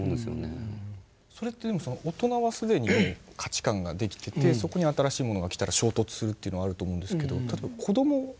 それってでも大人は既に価値観が出来ててそこに新しいものが来たら衝突するというのはあると思うんですが子供は。